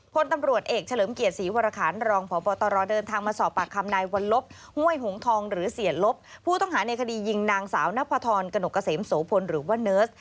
พลตำรวจเอกเฉลิมเกียรติศรีวรคารรองพบตรเดินทางมาสอบปากคำนายวัลลบห้วยหงทองหรือเสียลบผู้ต้องหาในคดียิงนางสาวนพธรกนกเกษมโสพลหรือว่าเนิร์ส